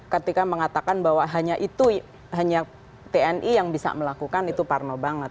ketika mengatakan bahwa hanya itu hanya tni yang bisa melakukan itu parno banget